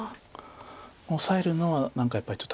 オサえるのは何かやっぱりちょっとハサミツケとか。